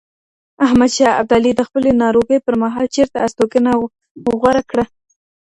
احمد شاه ابدالي د خپلې ناروغۍ پر مهال چیرته استوګنه غوره کړه؟